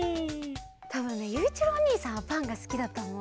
たぶんねゆういちろうおにいさんはパンがすきだとおもうよ。